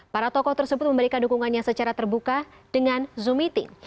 para tokoh tersebut memberikan dukungannya secara terbuka dengan zoom meeting